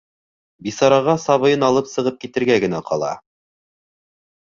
Бисараға сабыйын алып сығып китергә генә ҡала.